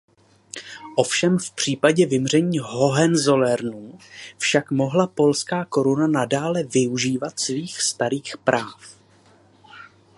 Ovšem v případě vymření Hohenzollernů však mohla polská koruna nadále využít svých starých práv.